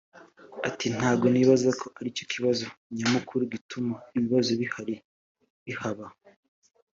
Ati “Ntago nibaza ko aricyo kibazo nyamukuru gituma ibibazo bihari bihaba